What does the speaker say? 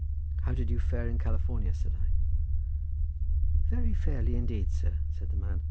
"How did you fare in California?" said I. "Very fairly indeed, sir," said the man.